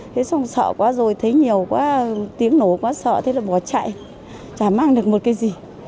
thế xong sợ quá rồi thấy nhiều quá tiếng nổ quá sợ thế là bỏ chạy chả mang được một cái gì